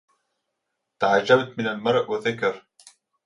تعجبت من المرء وذكر